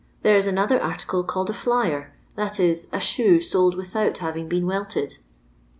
There is another article called a ' flyer,' that is, a shoe soled with out having been welled.